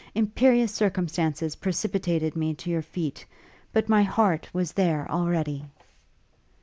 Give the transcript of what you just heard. Imperious circumstances precipitated me to your feet but my heart was there already!'